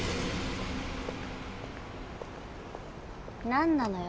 何なのよ？